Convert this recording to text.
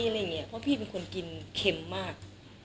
เพราะพี่เป็นคนกินเค็มมาก